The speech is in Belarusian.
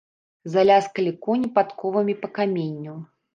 Заляскалі коні падковамі па каменню.